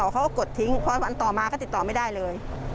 หาทุกวันเลยข้าวคำกรง